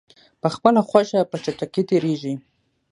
په خپله خوښه په چټکۍ تېریږي.